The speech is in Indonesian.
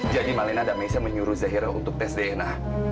jadi malena dan maisa menyuruh zahira untuk tes dna